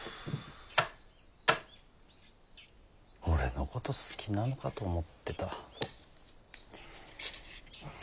俺のこと好きなのかと思ってた。